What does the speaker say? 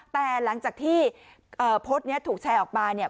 แต่หลังจากที่โพสต์นี้ถูกแชร์ออกมาเนี่ย